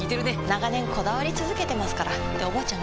長年こだわり続けてますからっておばあちゃん